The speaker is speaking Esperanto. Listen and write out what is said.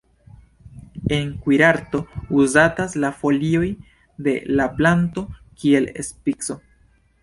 En kuirarto uzatas la folioj de la planto kiel spico.